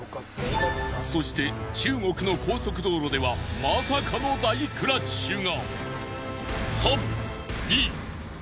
そして中国の高速道路ではまさかの大クラッシュが。